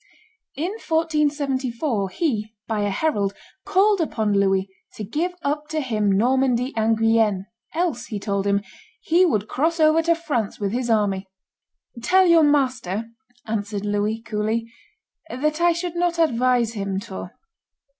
In 1474 he, by a herald, called upon Louis to give up to him Normandy and Guienne, else, he told him, he would cross over to France with his army. "Tell your master," answered Louis coolly, "that I should not advise him to."